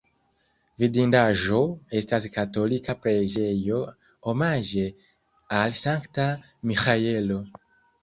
Vidindaĵo estas katolika preĝejo omaĝe al Sankta Miĥaelo.